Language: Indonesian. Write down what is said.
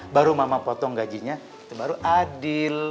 baru mama potong gajinya itu baru adil